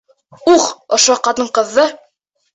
Ух, ошо ҡатын-ҡыҙҙы!